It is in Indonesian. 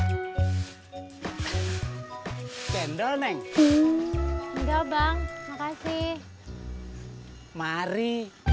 cendol manis dingin cendol neng enggak bang makasih mari